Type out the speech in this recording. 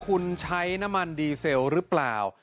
คุณใช้น้ำมันดีเซลหรือเปล่า